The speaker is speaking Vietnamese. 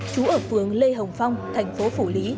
chú ở phường lê hồng phong thành phố phủ lý